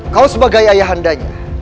kau sebagai ayahandanya